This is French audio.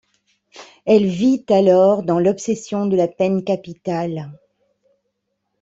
Elle vit alors dans l'obsession de la peine capitale.